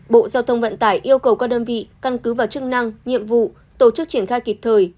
bộ giao thông vận tải yêu cầu các đơn vị căn cứ vào chức năng nhiệm vụ tổ chức triển khai kịp thời